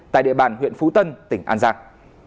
tại địa bàn huyện phú tân tỉnh an giang